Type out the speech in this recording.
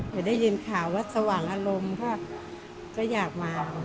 แต่ได้ยินข่าววัดสว่างอารมณ์ก็อยากมา